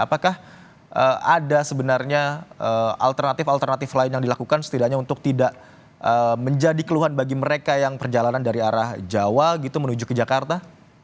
apakah ada sebenarnya alternatif alternatif lain yang dilakukan setidaknya untuk tidak menjadi keluhan bagi mereka yang perjalanan dari arah jawa gitu menuju ke jakarta